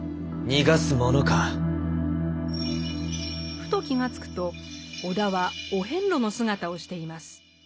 ふと気が付くと尾田はお遍路の姿をしています。